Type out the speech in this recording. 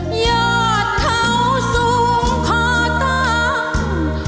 หยอดเขาสูงข้าตาม